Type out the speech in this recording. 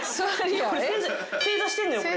正座してんのよこれ。